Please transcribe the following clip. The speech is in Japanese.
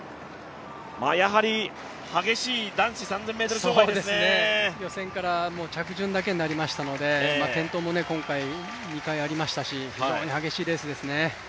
やはり激しい男子３０００ｍ障害ですね予選から着順だけになりましたので、転倒も今回２回ありましたし、非常に激しいレースですね。